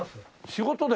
仕事で？